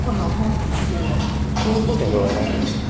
それはそのバッグの中にありました。